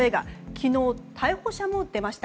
昨日、逮捕者も出ました。